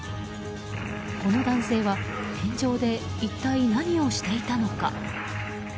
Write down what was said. この男性は天井で一体何をしていたのか。